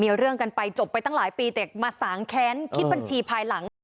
มีเรื่องกันไปจบไปตั้งหลายปีแต่มาสางแค้นคิดบัญชีภายหลัง